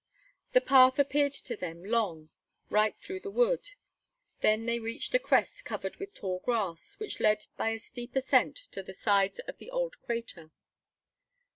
The path appeared to them long, right through the wood; then they reached a crest covered with tall grass which led by a steep ascent to the sides of the old crater.